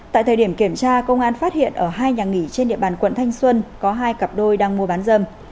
tại thời điểm kiểm tra công an phát hiện ở hai nhà nghỉ trên địa bàn quận thanh xuân có hai cặp đôi đang mua bán dâm